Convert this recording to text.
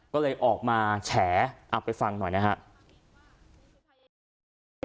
ก็เลยออกมาแฉอ่ะไปฟังหน่อยนะฮะ